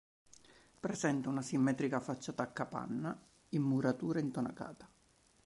Presenta una simmetrica facciata a capanna in muratura intonacata.